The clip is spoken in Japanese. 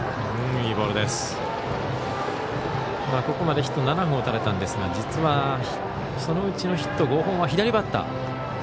ここまでヒット７本打たれたんですが実は、そのうちのヒット５本は左バッター。